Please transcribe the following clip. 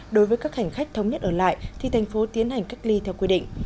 đối với các hành khách thống nhất ở lại thì thành phố tiến hành cách ly theo quy định